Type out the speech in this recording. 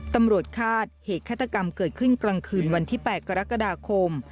ตำรวจคาดเหตุฆาตกรรมเกิดขึ้นกลางคืนวันที่๘กรกฎาคม